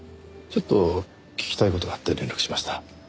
ちょっと聞きたい事があって連絡しました。